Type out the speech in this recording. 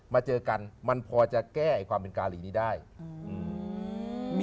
มาเจอกันมันพอจะแก้ไอ้ความเป็นกาลีนี้ได้อืม